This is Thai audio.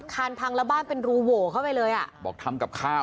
คานพังแล้วบ้านเป็นรูโหวเข้าไปเลยอ่ะบอกทำกับข้าว